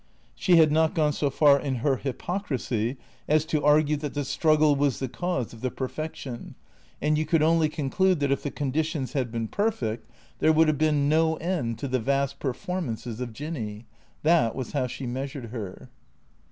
She had not gone so far in her hypocrisy as to argue that the struggle was the cause of the perfection, and you could 378 THE CREATORS only conclude that, if the conditions had been perfect, there would have been no end to the vast performances of Jinny. That was how she measured her.